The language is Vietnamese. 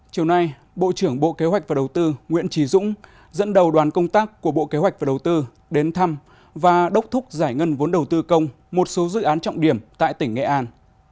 chiều nay bộ trưởng bộ kế hoạch và đầu tư nguyễn trì dũng dẫn đầu đoàn công tác của bộ kế hoạch và đầu tư đến thăm và đốc thúc giải ngân vốn đầu tư công một số dự án trọng điểm tại tỉnh nghệ an